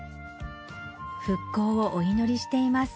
「復興をお祈りしています」